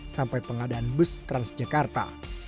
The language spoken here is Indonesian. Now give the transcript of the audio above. sampai pengadaan bus transjekarta